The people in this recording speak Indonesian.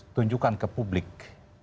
tunjukkan ke publik